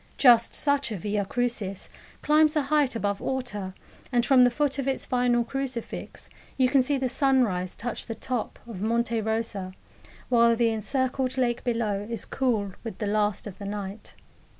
Just such a Via Crucis climbs the height above Orta, and from the foot of its final crucifix you can see the sunrise touch the top of Monte Rosa, while the encircled lake below is cool with the last of the night.